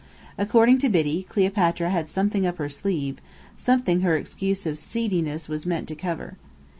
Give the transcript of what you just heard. According to Biddy, Cleopatra had "something up her sleeve," something her excuse of "seediness" was meant to cover.